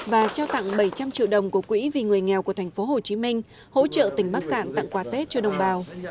và trao tặng bảy trăm linh triệu đồng của quỹ vì người nghèo của tp hcm hỗ trợ tỉnh bắc cạn tặng quà tết cho đồng bào